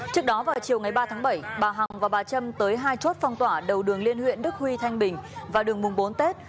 trước đó vào chiều ngày ba tháng bảy bà hằng và bà trâm tới hai chốt phong tỏa đầu đường liên huyện đức huy thanh bình và đường mùng bốn tết